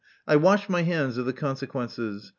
I wash my hands of the consequences.